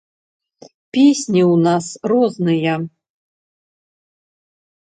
Песні ў нас розныя!